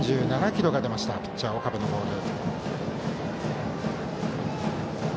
１３７キロが出ましたピッチャー岡部のボール。